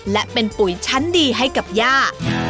และเป็นปุ๋ยชั้นดีให้กับย่า